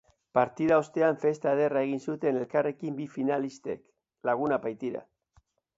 Partida ostean festa ederra egin zuten elkarrekin bi finalistek, lagunak baitira.